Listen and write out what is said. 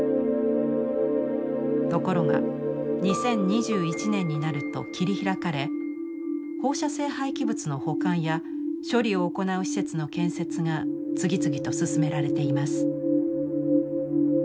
ところが２０２１年になると切り開かれ放射性廃棄物の保管や処理を行う施設の建設が次々と進められています。